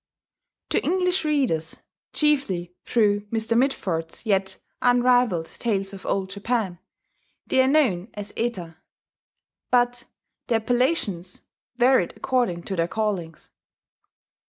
To English readers (chiefly through Mr. Mitford's yet unrivalled Tales of Old Japan) they are known as Eta; but their appellations varied according to their callings.